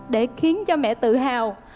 để khiến cho mẹ tự hào